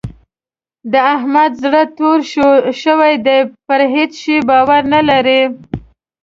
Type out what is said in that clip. د احمد زړه توری شوی دی؛ پر هيڅ شي باور نه لري.